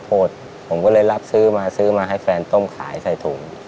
ผมก็เลยรับซื้อมาซื้อมาให้แฟนต้มขายใส่ถุง